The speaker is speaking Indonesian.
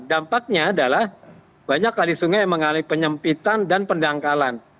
hal ini adalah banyak kalisungai yang mengalami penyempitan dan pendangkalan